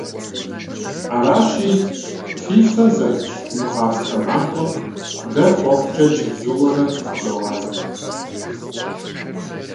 Аращи, фи фэ зэтплъ мы гъатхэ махуэм дэ хъуэхъукӀэ чэзууэрэ зыфхудогъазэ.